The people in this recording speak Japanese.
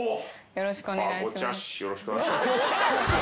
よろしくお願いします。